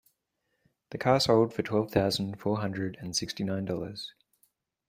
The car sold for twelve thousand four hundred and sixty nine dollars.